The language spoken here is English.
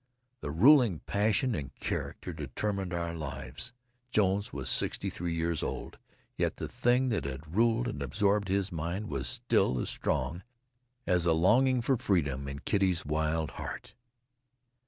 The ruling passion and character determine our lives. Jones was sixty three years old, yet the thing that had ruled and absorbed his mind was still as strong as the longing for freedom in Kitty's wild heart.